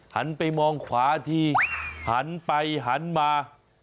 หันไปมองขวาทีหันไปหันมา